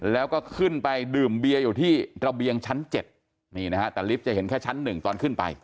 แล้วก็ขึ้นไปดื่มเบียร์อยู่ที่ระเบียงชั้น๗นี่นะฮะแต่ลิฟต์จะเห็นแค่ชั้นหนึ่งตอนขึ้นไป